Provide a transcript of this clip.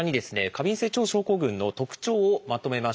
過敏性腸症候群の特徴をまとめました。